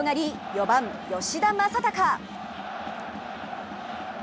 ４番・吉田正尚。